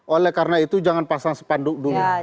oleh karena itu jangan pasang sepanduk dulu